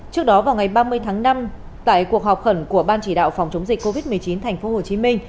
trước đó vào ngày ba mươi tháng năm tại cuộc họp khẩn của ban chỉ đạo phòng chống dịch covid một mươi chín tp hcm